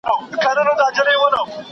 روغتیا د خوشحاله ژوند راز دی.